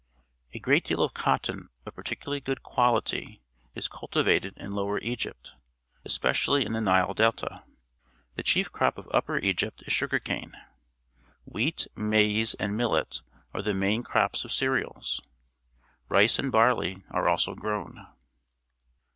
A great deal of cotton of particularly good quality is cultivated in Lower Egypt, especially in the Nile delta. "The cKeT'cfbp of Upper EgilJ}t_js. .siigoL ^ane. W heat, maize , and niiUet are the main crops of cereals. Rice and barley are also grown.